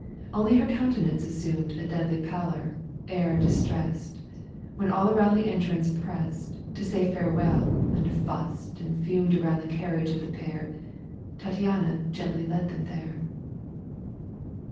Only her countenance assumed A deadly pallor, air distressed ; When all around the entrance pressed. To say farewell, and fussed and fumed Around the carriage of the pair — Tattiana gently led them there.